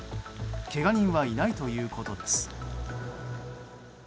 けが人はいないということです。